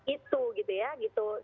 itu gitu ya